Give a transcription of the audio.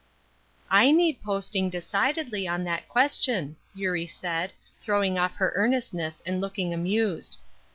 "I need posting, decidedly, on that question," Eurie said, throwing off her earnestness and looking amused.